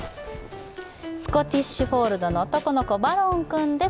スコティッシュフォールドの男の子、バロン君です。